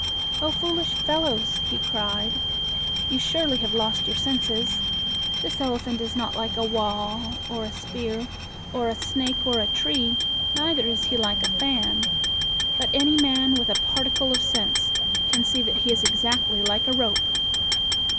"O foolish fellows!" he cried. "You surely have lost your senses. This elephant is not like a wall, or a spear, or a snake, or a tree; neither is he like a fan. But any man with a par ti cle of sense can see that he is exactly like a rope."